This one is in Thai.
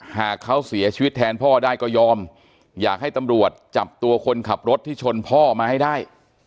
หากเขาเสียชีวิตแทนพ่อได้ก็ยอมอยากให้ตำรวจจับตัวคนขับรถที่ชนพ่อมาให้ได้